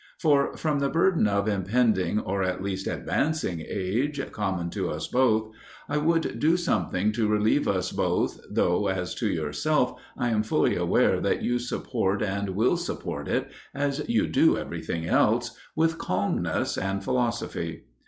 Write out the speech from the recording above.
For from the burden of impending or at least advancing age, common to us both, I would do something to relieve us both though as to yourself I am fully aware that you support and will support it, as you do everything else, with calmness and philosophy.